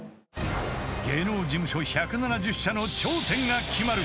［芸能事務所１７０社の頂点が決まる］